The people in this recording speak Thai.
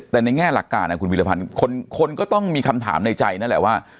แต่ในแง่หลักการคุณวิรพันธ์คนก็ต้องมีคำถามในใจนั่นแหละว่า